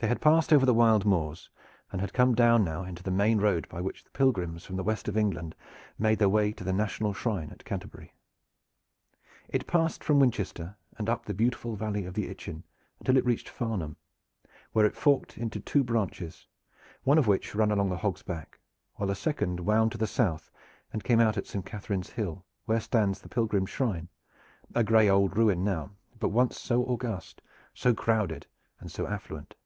They had passed over the wild moors and had come down now into the main road by which the pilgrims from the west of England made their way to the national shrine at Canterbury. It passed from Winchester, and up the beautiful valley of the Itchen until it reached Farnham, where it forked into two branches, one of which ran along the Hog's Back, while the second wound to the south and came out at Saint Catherine's Hill where stands the Pilgrim shrine, a gray old ruin now, but once so august, so crowded and so affluent.